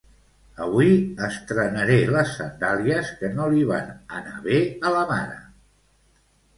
Avui estrenaré les sandàlies que no li van anar bé a la mare